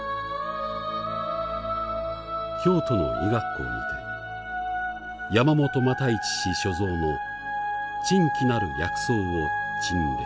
「京都の医学校にて山本復一氏所蔵の珍奇なる薬草を陳列」。